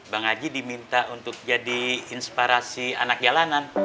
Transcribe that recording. bang haji diminta untuk jadi inspirasi anak jalanan